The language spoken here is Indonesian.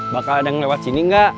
bakal ada yang lewat sini nggak